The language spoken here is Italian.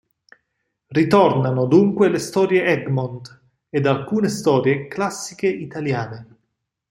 Ritornano dunque le storie Egmont, ed alcune storie "classiche" italiane.